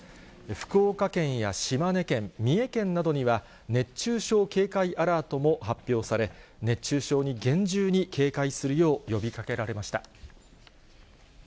福岡県や島根県、三重県などには、熱中症警戒アラートも発表され、熱中症に厳重に警戒するよう呼びかけられました。